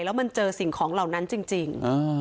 แล้วมันเจอสิ่งของเหล่านั้นจริง